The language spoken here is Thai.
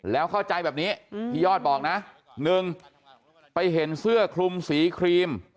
แล้วเข้าใจแบบนี้พี่ยอดบอกนะ๑ไปเห็นเสื้อคลุมสีครีม